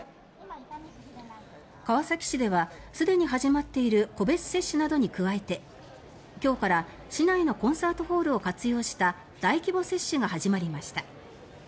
川崎市ではすでに始まっている個別接種などに加えて今日から市内のコンサートホールを活用した大規模接種が始まりました。